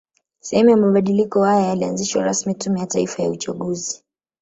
Sehemu ya mabadiliko haya yalianzisha rasmi Tume ya Taifa ya Uchaguzi